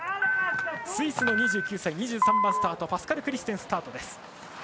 スイスの２９歳、２３番スタートパスカル・クリステン。